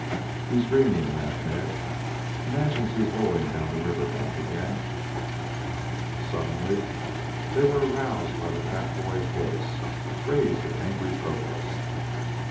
"He's dreaming," laughed Ned. "Imagines he's rolling down the river bank again." Suddenly they were aroused by the fat boy's voice raised in angry protest.